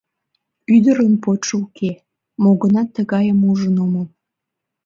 Ӱдырын почшо уке, мо-гынат тыгайым ужын омыл.